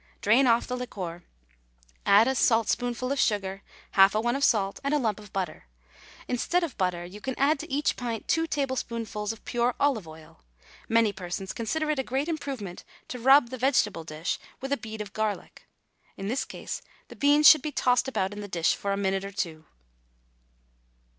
Drain off the liquor, add a saltspoonful of sugar, half a one of salt, and a lump of butter. Instead of butter, you can add to each pint two tablespoonfuls of pure olive oil. Many persons consider it a great improvement to rub the vegetable dish with a bead of garlic. In this case the beans should be tossed about in the dish for a minute or two.